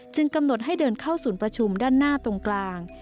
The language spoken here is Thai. กำหนดให้เดินเข้าศูนย์ประชุมด้านหน้าตรงกลาง